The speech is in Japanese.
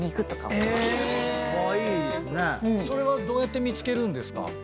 どうやって見つけるんですか？